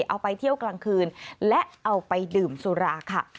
เอาไปเที่ยวกลางคืนและเอาไปดื่มสุราค่ะ